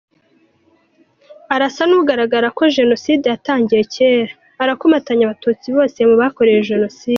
Arasa n’ugaragaza ko jenoside yatangiye cyera, arakomatanya abatutsi bose mu bakorewe jenoside.